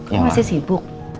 kamu masih sibuk